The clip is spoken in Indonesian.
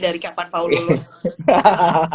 dari kapan paul lulus